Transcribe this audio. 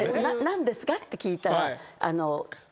「何ですか？」って聞いたら。